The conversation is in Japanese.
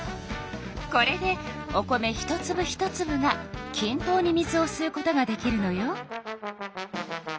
これでお米一つぶ一つぶがきん等に水をすうことができるのよ。